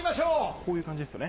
こういう感じですよね？